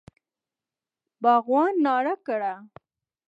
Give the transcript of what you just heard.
باغوان ناره کړه!